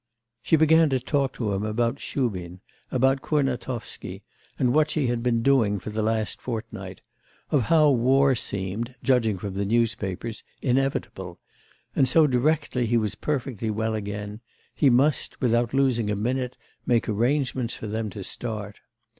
She began to talk to him about Shubin, about Kurnatovsky, and what she had been doing for the last fortnight, of how war seemed, judging from the newspapers, inevitable, and so directly he was perfectly well again, he must, without losing a minute, make arrangements for them to start.